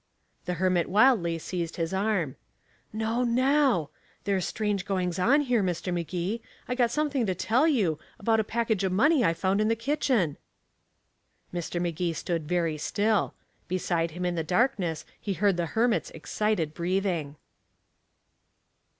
The hermit wildly seized his arm. "No, now," he said. "There's strange goings on, here, Mr. Magee. I got something to tell you about a package of money I found in the kitchen." Mr. Magee stood very still. Beside him in the darkness he heard the hermit's excited breathing.